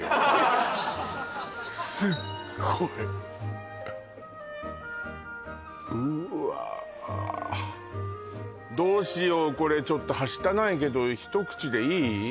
すっごいうわっどうしようこれちょっとはしたないけど一口でいい？